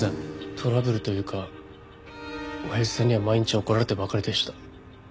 トラブルというかおやじさんには毎日怒られてばかりでした。